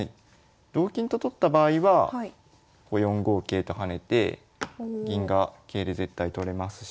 同金と取った場合は４五桂と跳ねて銀が桂で絶対取れますし。